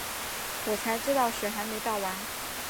我才知道水没倒完